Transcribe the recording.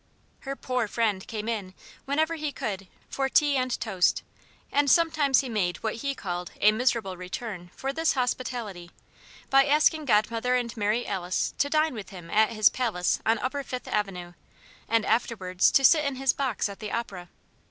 Her "poor" friend came in, whenever he could, for tea and toast; and sometimes he made what he called "a miserable return" for this hospitality, by asking Godmother and Mary Alice to dine with him at his palace on upper Fifth Avenue and afterwards to sit in his box at the opera.